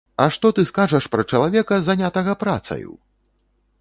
А што ты скажаш пра чалавека, занятага працаю?!